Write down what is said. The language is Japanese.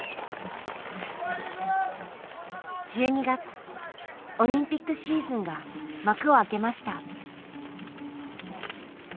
１２月オリンピックシーズンが幕を開けました。